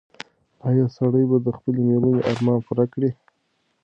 ایا سړی به د خپلې مېرمنې ارمان پوره کړي؟